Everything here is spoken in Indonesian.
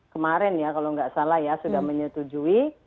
kemarin ya kalau nggak salah ya sudah menyetujui